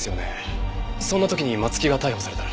そんな時に松木が逮捕されたら。